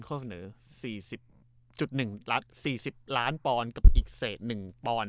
ข้อเสนอสี่สิบจุดหนึ่งสี่สิบล้านปอนกับอีกเศษหนึ่งปอน